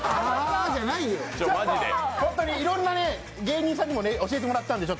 いろんな芸人さんにも教えてもらったんで。